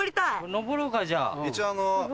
上ろうかじゃあ。